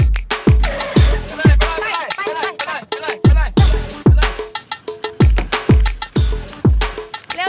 ไปเลย